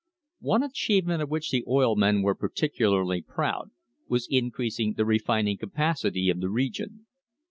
One achievement of which the oil men were particularly proud was increasing the refining capacity of the region.